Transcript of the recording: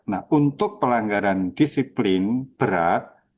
nah untuk pelanggaran disiplin berat